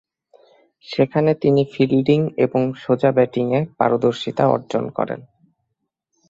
সেখানে তিনি ফিল্ডিং এবং সোজা ব্যাটিংয়ে পারদর্শীতা অর্জন করেন।